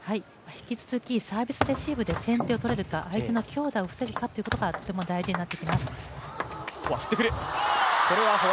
引き続きサービスレシーブで先手を取れるか、相手の強打を防ぐかということがとても大事になってきます。